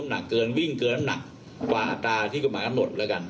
หนักเกินวิ่งเกินแล้วหนักกว่าอัตราที่กฎหมายกำหนดแล้วกัน